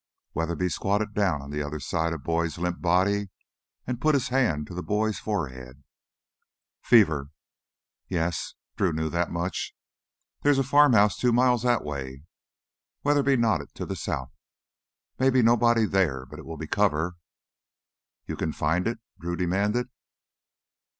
Weatherby squatted down on the other side of Boyd's limp body and put his hand to the boy's forehead. "Fever." "Yes." Drew knew that much. "There's a farmhouse two miles that way." Weatherby nodded to the south. "Maybe nobody there, but it will be cover " "You can find it?" Drew demanded.